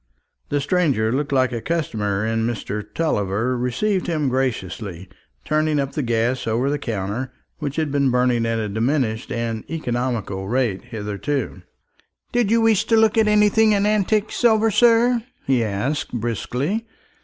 The stranger looked like a customer, and Mr. Tulliver received him graciously, turning up the gas over the counter, which had been burning at a diminished and economical rate hitherto. "Did you wish to look at anything in antique silver, sir?" he asked briskly.